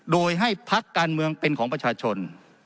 โดยให้พักการเมืองเป็นของประชาชน